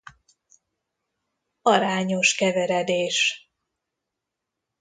Arányos keveredés.